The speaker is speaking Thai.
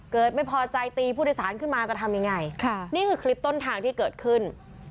เกิดไม่พอใจตีผู้โดยสารขึ้นมาจะทำยังไงค่ะนี่คือคลิปต้นทางที่เกิดขึ้น